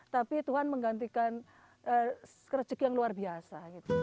tapi tuhan menggantikan rezeki yang luar biasa